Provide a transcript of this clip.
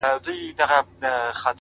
چي ته نه يې زما په ژونــــد كــــــي _